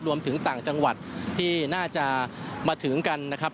รวมถึงต่างจังหวัดที่น่าจะมาถึงกันนะครับ